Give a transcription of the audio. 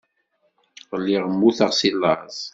Lliɣ mmuteɣ seg laẓ.